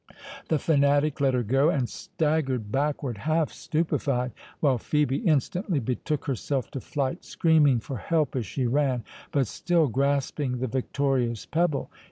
The fanatic let her go, and staggered backward, half stupified; while Phœbe instantly betook herself to flight, screaming for help as she ran, but still grasping the victorious pebble.